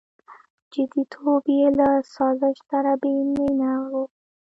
• جديتوب یې له سازش سره بېمینه و.